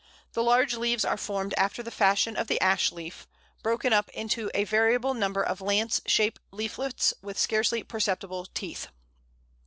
The large leaves are formed after the fashion of the Ash leaf broken up into a variable number of lance shaped leaflets with scarcely perceptible teeth.